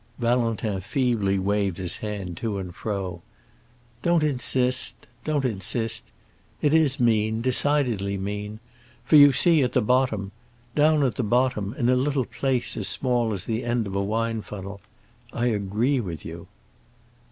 Valentin feebly waved his hand to and fro. "Don't insist—don't insist! It is mean—decidedly mean. For you see at the bottom—down at the bottom, in a little place as small as the end of a wine funnel—I agree with you!"